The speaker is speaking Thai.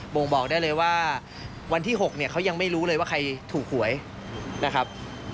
่งบอกได้เลยว่าวันที่๖เนี่ยเขายังไม่รู้เลยว่าใครถูกหวยนะครับ